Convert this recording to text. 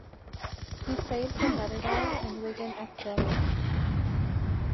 He played for Motherwell and Wigan Athletic.